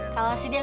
masih sakit nih